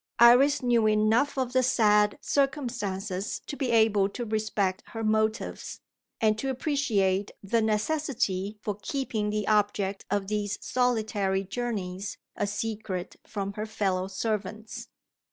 Iris knew enough of the sad circumstances to be able to respect her motives, and to appreciate the necessity for keeping the object of these solitary journeys a secret from her fellow servants.